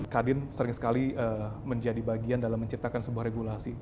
kadin sering sekali menjadi bagian dalam menciptakan sebuah regulasi